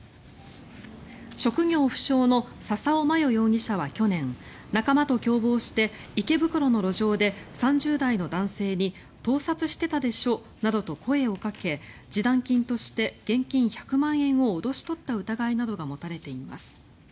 職業不詳の笹尾真世容疑者は去年仲間と共謀して池袋の路上で３０代の男性に盗撮してたでしょなどと声をかけ示談金として現金１００万円を脅し取った疑いなどが持たれています。